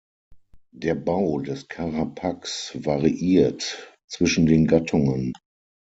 Der Bau des Carapax variiert zwischen den Gattungen.